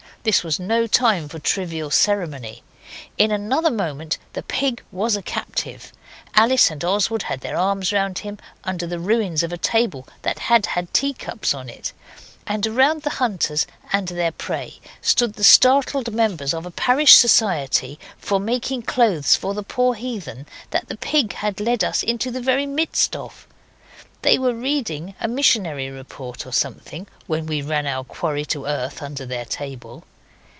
This was no time for trivial ceremony. In another moment the pig was a captive. Alice and Oswald had their arms round him under the ruins of a table that had had teacups on it, and around the hunters and their prey stood the startled members of a parish society for making clothes for the poor heathen, that that pig had led us into the very midst of. They were reading a missionary report or something when we ran our quarry to earth under their table.